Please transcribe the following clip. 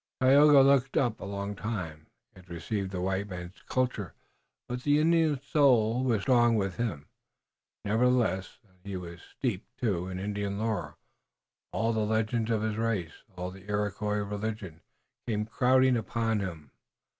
Tayoga looked up a long time. He had received the white man's culture, but the Indian soul was strong within him, nevertheless, and he was steeped, too, in Indian lore. All the legends of his race, all the Iroquois religion, came crowding upon him.